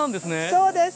そうです。